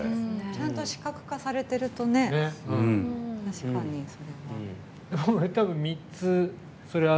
ちゃんと視覚化されてると、確かにそれは。